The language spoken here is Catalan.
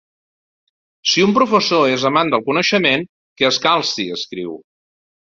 Si un professor és amant del coneixement, que es calci, escriu.